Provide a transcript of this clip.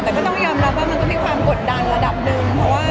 แต่ก็ต้องยอมรับว่ามันก็ต้องมีความกดดันระดับนึง